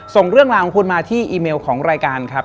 ส่งเรื่องราวของคุณมาที่อีเมลของรายการครับ